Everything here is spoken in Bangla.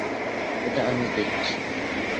এটা আমি দেখছি!